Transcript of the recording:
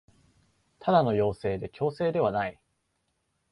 ただの要請で強制ではない